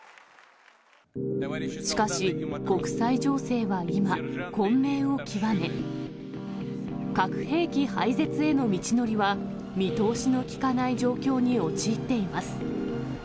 しかし、国際情勢は今、混迷を極め、核兵器廃絶への道のりは、見通しの利かない状況に陥っています。